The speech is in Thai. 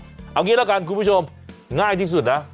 เอางี้ละกันคุณผู้ชมง่ายที่สุดนะ